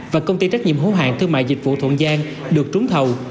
và công ty trách nhiệm hữu hạng thương mại dịch vụ thuận giang được trúng thầu